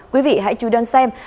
quý vị hãy chú đơn xem